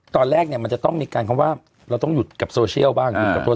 ตอนแรกมันจะต้องมีการคำว่าเราต้องหยุดกับโซเชียลบ้าง